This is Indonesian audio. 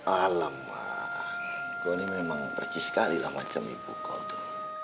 alham kau ini memang perci sekali lah macam ibu kau itu